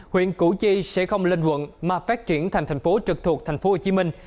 huyện củ chi sẽ không linh thuận mà phát triển thành thành phố trực thuộc thành phố hồ chí minh